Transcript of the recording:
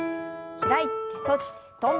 開いて閉じて跳んで。